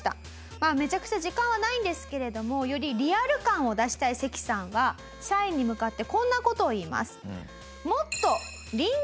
まあめちゃくちゃ時間はないんですけれどもよりリアル感を出したいセキさんは社員に向かってこんな事を言います。